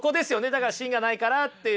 だから芯がないかなっていう。